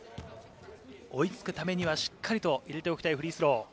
追いつくためにはしっかりと入れておきたいフリースロー。